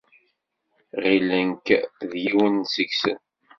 ɣilen-k d yiwen seg-sen.